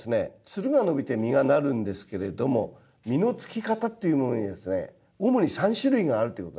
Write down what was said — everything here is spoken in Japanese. つるが伸びて実がなるんですけれども実のつき方っていうものにはですね主に３種類があるということなんですね。